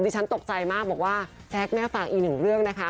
ฉันตกใจมากบอกว่าแจ๊คแม่ฝากอีกหนึ่งเรื่องนะคะ